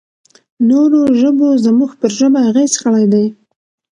نورو ژبو زموږ پر ژبه اغېز کړی دی.